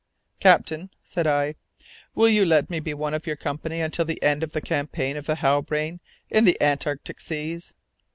'" "Captain," said I, "will you let me be one of your company until the end of the campaign of the Halbrane in the Antarctic seas?"